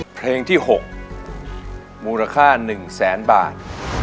เพลงที่๖มูลค่า๑แสนบาท